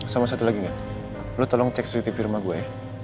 sama satu lagi nga lo tolong cek suci tv rumah gue ya